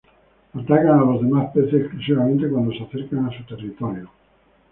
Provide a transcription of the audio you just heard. Atacan a los demás peces exclusivamente cuando se acercan a su territorio.